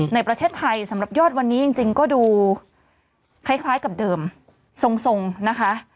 ในประเทศไทยสำหรับยอดวันนี้จริงก็ดูคล้ายกับเดิมทรงนะคะ